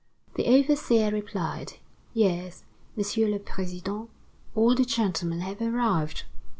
The overseer replied: "Yes, Monsieur le President, all the gentlemen have arrived."